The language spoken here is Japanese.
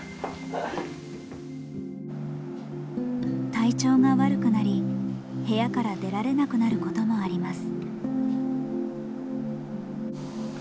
体調が悪くなり部屋から出られなくなることもあります。